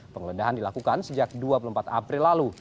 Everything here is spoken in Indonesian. penggeledahan dilakukan sejak dua puluh empat april lalu